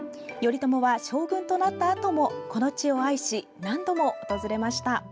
頼朝は将軍となったあともこの地を愛し何度も訪れました。